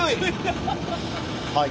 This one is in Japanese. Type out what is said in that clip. はい。